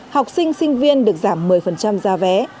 học sinh sinh viên được giảm một mươi giá vé